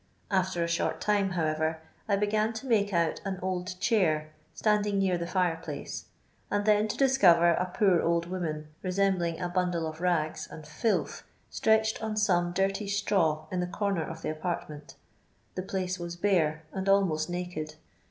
After a short time, however, I began to make out an old chair standing near the fire place, and then to discover a poor old woman resembling a bundle of rags and filth stretched on some dirty straw in tbe comer of the apartment. The place was bfire and almost naked.